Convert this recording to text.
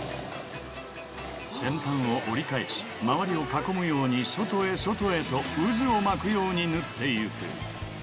先端を折り返し周りを囲むように外へ外へと渦を巻くように縫って行く